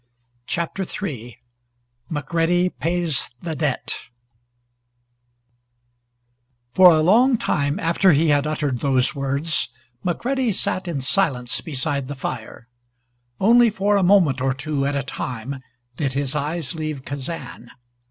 CHAPTER III McCREADY PAYS THE DEBT For a long time after he had uttered those words McCready sat in silence beside the fire. Only for a moment or two at a time did his eyes leave Kazan.